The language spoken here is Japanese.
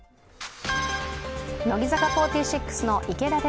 乃木坂４６の池田瑛